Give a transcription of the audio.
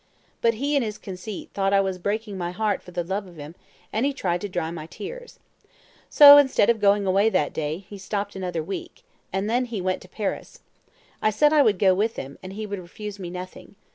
But he, in his conceit, thought I was breaking my heart for the love of him, and he tried to dry my tears. So, instead of going away that day, he stopped another week; and then when he went to Paris, I said I would go with him; and he would refuse me nothing.